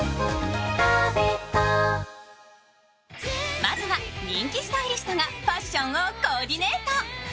まずは人気スタイリストがファッションをコーディネート。